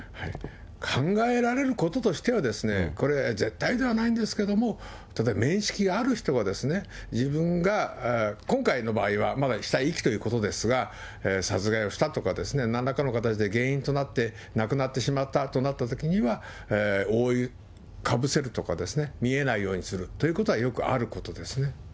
考えられることとしては、これ、絶対ではないんですけども、例えば面識がある人が、自分が、今回の場合はまだ死体遺棄ということですが、殺害をしたとかですね、なんらかの形で原因となって亡くなってしまったとなったときには、覆いかぶせるとかですね、見えないようにするということは、よくあることですね。